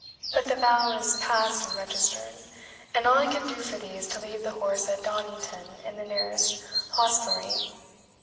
But the vow is passed and registered, and all I can do for thee is to leave the horse at Donnington, in the nearest hostelry."